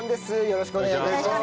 よろしくお願いします。